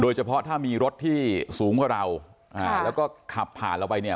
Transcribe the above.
เฉพาะถ้ามีรถที่สูงกว่าเราอ่าแล้วก็ขับผ่านเราไปเนี่ย